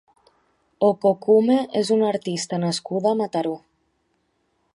Okokume és una artista nascuda a Mataró.